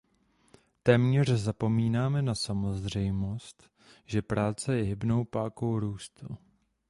Téměř zapomínáme na samozřejmost, že práce je hybnou pákou růstu.